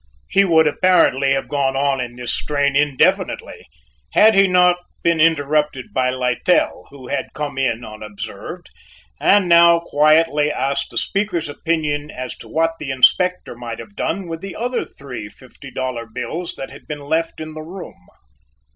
He would apparently have gone on in this strain indefinitely, had he not been interrupted by Littell, who had come in unobserved, and now quietly asked the speaker's opinion as to what the Inspector might have done with the other three fifty dollar bills that had been left in the room.